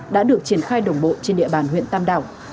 đã được triển khai đồng bộ trên địa bàn huyện tam đảo